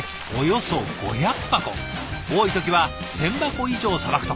多い時は１，０００箱以上さばくとか。